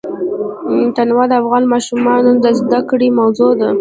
تنوع د افغان ماشومانو د زده کړې موضوع ده.